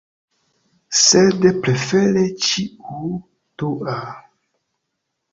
Sed prefere ĉiu dua.